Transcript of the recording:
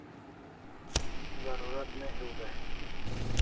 Zarurat ne hiu dai